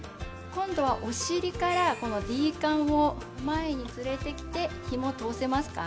今度はお尻からＤカンを前に連れてきてひも通せますか？